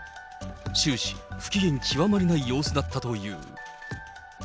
終始、不機嫌極まりない様子だったという。